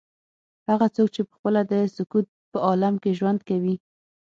هغه څوک چې پخپله د سکوت په عالم کې ژوند کوي.